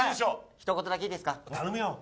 一言だけいいですか。